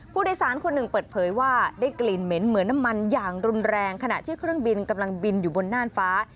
ผู้โดยสารคนหนึ่งเปิดเผยว่าได้กลิ่นเหม็นเหมือนน้ำมันอย่างรุนแรงขณะที่เครื่องบินกำลังบินอยู่บนน่านฟ้า